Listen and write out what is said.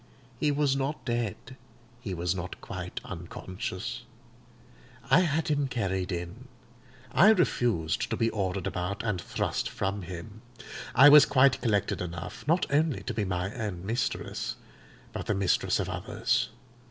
He was not dead; he was not quite unconscious. I had him carried in; I refused to be ordered about and thrust from him. I was quite collected enough, not only to be my own mistress but the mistress of others.